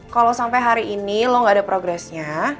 kalau sampai hari ini lo gak ada progresnya